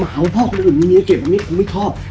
เขาพ่อคนอื่นมีเมียเก็บตรงนี้คงไม่ชอบ